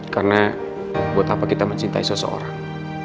karena buat apa kita mencintai seseorang